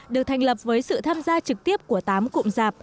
được thành lập với sự tham gia trực tiếp của tám cụm rạp